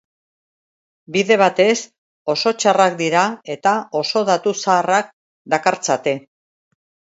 Bide batez, oso txarrak dira eta oso datu zaharrak dakartzate.